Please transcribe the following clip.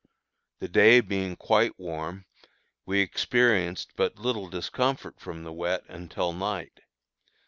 The day being quite warm, we experienced but little discomfort from the wet until night.